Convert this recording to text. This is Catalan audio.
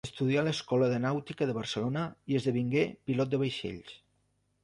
Estudià a l’Escola de Nàutica de Barcelona i esdevingué pilot de vaixells.